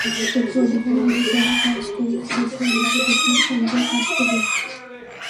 তথ্য অধিকার নিয়ে যারা কাজ করে, সেসব প্রতিষ্ঠানের সঙ্গেও কাজ করি।